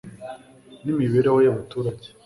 n'imibereho y'abaturage